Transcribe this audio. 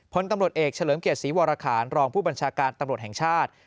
พลตำรวจเอกเฉลิมเกียรติศรีวรคารรองผู้บัญชาการตำรวจแห่งชาติ